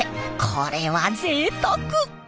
これはぜいたく。